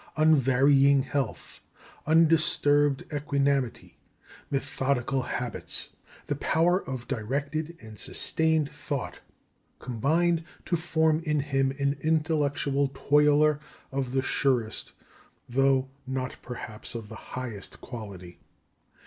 Unvarying health, undisturbed equanimity, methodical habits, the power of directed and sustained thought, combined to form in him an intellectual toiler of the surest, though not perhaps of the highest quality.